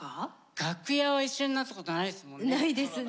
楽屋は一緒になったことないですもんね。